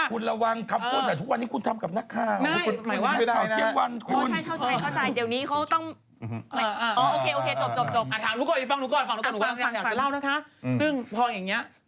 ซึ่งตรงนี้